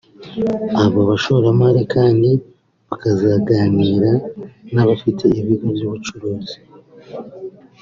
Abo bashoramari kandi bakazaganira n’abafite ibigo by’ubucuruzi